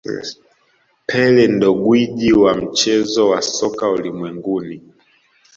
pele ndo gwiji wa mchezo wa soka ulimwenguni